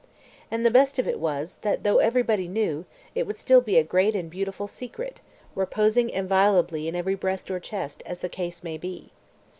And the best of it was, that though everybody knew, it would still be a great and beautiful secret, reposing inviolably in every breast or chest, as the case might be.